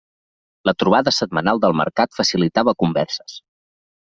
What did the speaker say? La trobada setmanal del mercat facilitava converses.